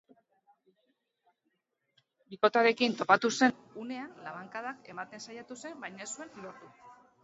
Bikotearekin topatu zen unean labankadak ematen saiatu zen, baina ez zuen lortu.